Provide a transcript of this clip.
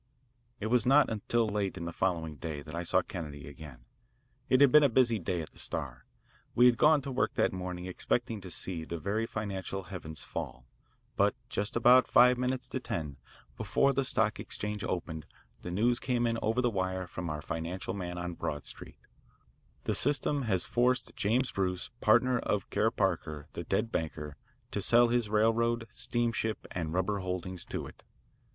It was not until late in the following day that I saw Kennedy again. It had been a busy day at the Star. We had gone to work that morning expecting to see the very financial heavens fall. But just about five minutes to ten, before the Stock Exchange opened, the news came in over the wire from our financial man on Broad Street: "'The System' has forced James Bruce, partner of Kerr Parker, the dead banker; to sell his railroad, steamship, and rubber holdings to it.